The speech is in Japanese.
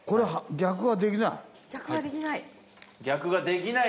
逆はできない。